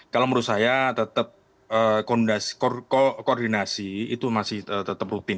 kalau menurut saya tetap koordinasi itu masih tetap rutin